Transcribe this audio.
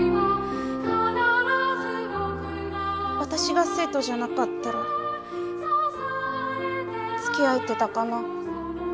私が生徒じゃなかったらつきあえてたかな？